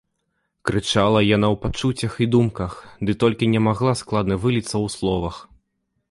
Крычала яна ў пачуццях і думках, ды толькі не магла складна выліцца ў словах.